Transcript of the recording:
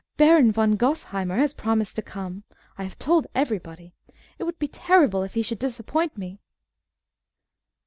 Baron von Gosheimer has promised to come. I have told everybody. It would be terrible if he should disappoint me.